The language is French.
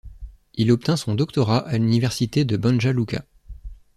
Il obtint son doctorat à l'université de Banja Luka.